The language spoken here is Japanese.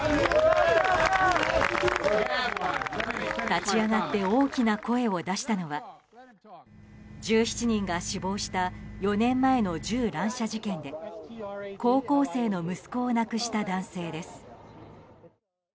立ち上がって大きな声を出したのは１７人が死亡した４年前の銃乱射事件で高校生の息子を亡くした男性です。